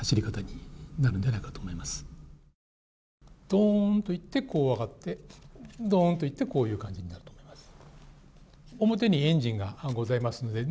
ドーンといって、上がってドーンといってこうなると思います。